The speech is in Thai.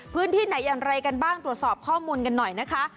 พื้นที่ไหนอย่างไรกันบ้างตรวจสอบข้อมูลกันหน่อยนะคะ